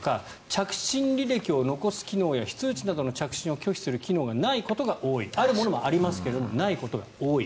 着信履歴を残す機能や非通知などの着信を拒否する機能がないことが多いあるものもありますけどないことが多い。